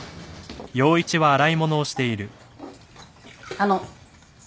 あの。